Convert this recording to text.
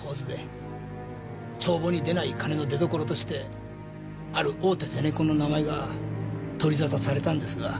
帳簿に出ない金の出所としてある大手ゼネコンの名前が取り沙汰されたんですが。